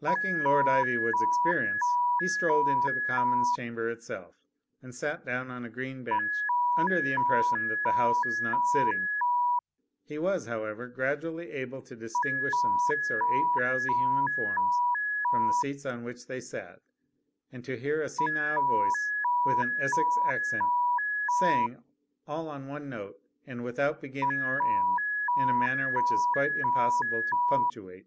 Lacking Lord Ivywood's experience, he strolled into the Common's Chamber itself and sat down on a green bench, under the impression that the House was not sitting. He was, however, gradually able to distinguish some six or eight drowsy human forms from the seats on which they sat ; and to hear a senile voice with an Essex accent, saying, all on one note, and without beginning or end, in a manner which it is quite impossible to pimotuate